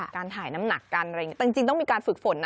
การถ่ายน้ำหนักกันอะไรอย่างนี้แต่จริงต้องมีการฝึกฝนนะ